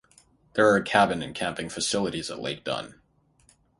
There are cabin and camping facilities at Lake Dunn.